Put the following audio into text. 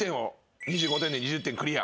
２５点で２０点クリア。